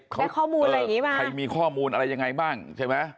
ได้ข้อมูลอะไรอย่างนี้บ้างใครมีข้อมูลอะไรยังไงบ้างใช่ไหม